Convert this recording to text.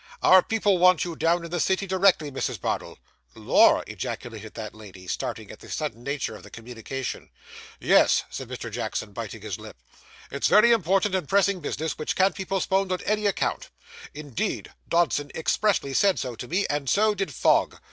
Our people want you down in the city directly, Mrs. Bardell.' 'Lor!' ejaculated that lady, starting at the sudden nature of the communication. 'Yes,' said Mr. Jackson, biting his lip. 'It's very important and pressing business, which can't be postponed on any account. Indeed, Dodson expressly said so to me, and so did Fogg.